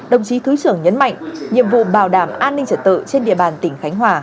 đồng chí thứ trưởng nhấn mạnh nhiệm vụ bảo đảm an ninh trật tự trên địa bàn tỉnh khánh hòa